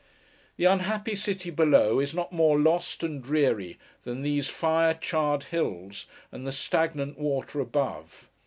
The unhappy city below, is not more lost and dreary, than these fire charred hills and the stagnant water, above.